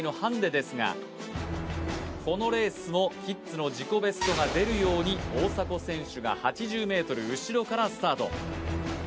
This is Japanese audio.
このレースもキッズの自己ベストが出るように大迫選手が８０ｍ後ろからスタート